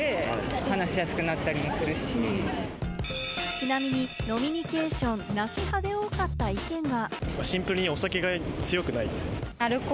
ちなみに、飲みニケーションなし派で多かった意見が。